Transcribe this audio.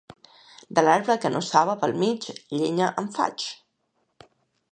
De l'arbre que no saba pel maig, llenya en faig.